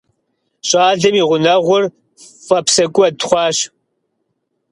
ЩӀалэм и гъунэгъур фӀэпсэкӀуэд хъуащ.